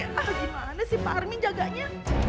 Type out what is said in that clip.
nah gimana sih pak armin jaganya